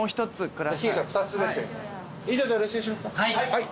はい。